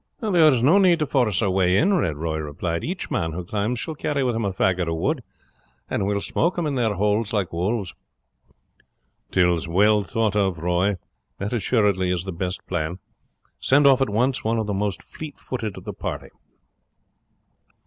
"There is no need to force our way in," Red Roy replied; "each man who climbs shall carry with him a faggot of wood, and we will smoke them in their holes like wolves." "'Tis well thought of, Roy; that assuredly is the best plan. Send off at once one of the most fleet footed of the party."